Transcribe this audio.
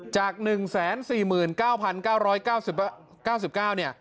จาก๑๔๙๙๙๙บาท